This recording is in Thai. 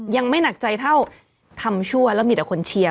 ยังไม่หนักใจเท่าทำชั่วแล้วมีแต่คนเชียร์